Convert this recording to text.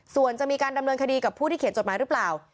ส่วนจะมีการดำเนินคดีกับผู้ที่เขียนจดหมายหรือเปล่า